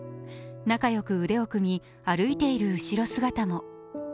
仲良く腕を組み、歩いている後ろ姿も。